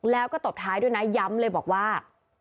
แล้วก็ตบท้ายด้วยนะย้ำเลยบอกว่า